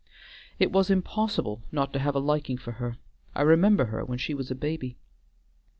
It was impossible not to have a liking for her. I remember her when she was a baby."